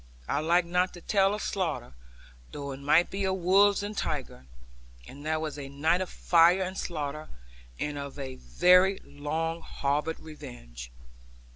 I like not to tell of slaughter, though it might be of wolves and tigers; and that was a night of fire and slaughter, and of very long harboured revenge.